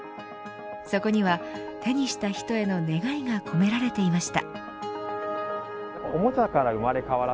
そこには、手にした人への願いが込められていました。